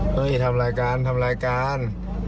เฮ้ยทำรายการทำรายการ